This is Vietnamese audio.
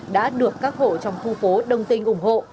đã được các hộ trong khu phố đồng tình ủng hộ